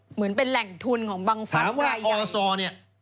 เหมือนเป็นแหล่งทุนของบังฟัฒน์ไปอย่างถามว่าอซนี่